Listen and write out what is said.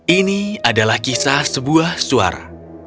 ini adalah kisah sebuah suara